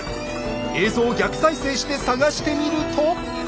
映像を逆再生して探してみると。